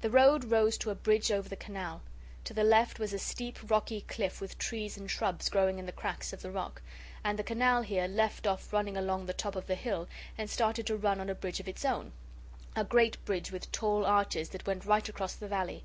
The road rose to a bridge over the canal. To the left was a steep rocky cliff with trees and shrubs growing in the cracks of the rock. And the canal here left off running along the top of the hill and started to run on a bridge of its own a great bridge with tall arches that went right across the valley.